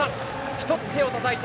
１つ手をたたいた。